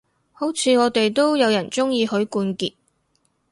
好似我哋都有人鍾意許冠傑